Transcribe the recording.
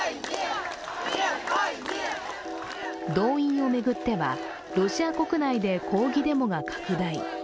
動員を巡っては、ロシア国内で抗議デモが拡大。